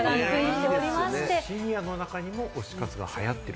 シニアにも推し活が流行っている。